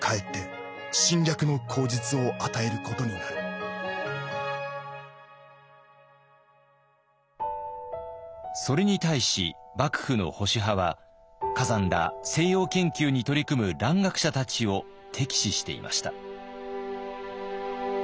世界の現状から見てそれに対し幕府の保守派は崋山ら西洋研究に取り組む蘭学者たちを敵視していました。